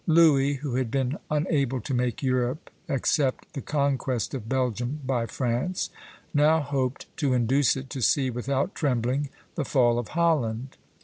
Louis, who had been unable to make Europe accept the conquest of Belgium by France, now hoped to induce it to see without trembling the fall of Holland."